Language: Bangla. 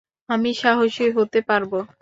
আমি সাহসী হতে পারবো।